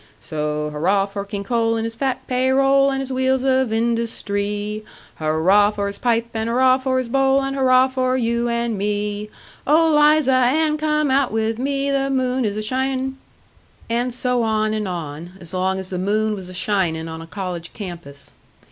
"So hurrah for King Coal, and his fat pay roll, And his wheels of industree! Hurrah for his pipe, and hurrah for his bowl And hurrah for you and me! "Oh, Liza Ann, come out with me, The moon is a shinin' " And so on and on as long as the moon was a shinin' on a college campus.